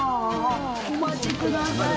お待ちくださいね。